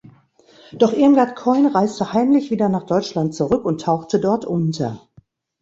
Doch Irmgard Keun reiste heimlich wieder nach Deutschland zurück und tauchte dort unter.